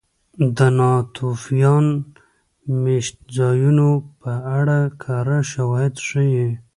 د ناتوفیان مېشتځایونو په اړه کره شواهد ښيي